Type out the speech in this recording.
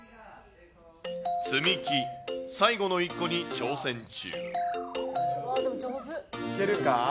積み木、最後の１個に挑戦中。